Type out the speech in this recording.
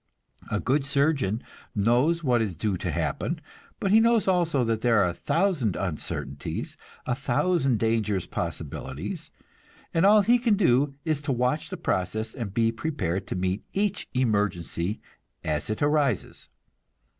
A good surgeon knows what is due to happen, but he knows also that there are a thousand uncertainties, a thousand dangerous possibilities, and all he can do is to watch the process and be prepared to meet each emergency as it arises.